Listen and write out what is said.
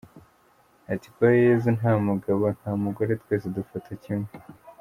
Ati "Kwa Yesu nta mugabo nta mugore, twese adufata kimwe.